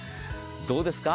どうですか？